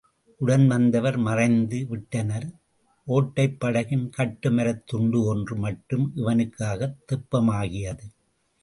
உடன் வந்தவர் மறைந்து விட்டனர், ஓட்டைப் படகின் கட்டுமரத்துண்டு ஒன்று மட்டும் இவனுக்காகத் தெப்பமாகியது.